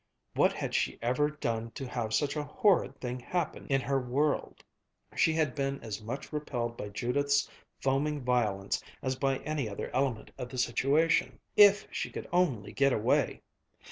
What had she ever done to have such a horrid thing happen in her world! She had been as much repelled by Judith's foaming violence as by any other element of the situation. If she could only get away!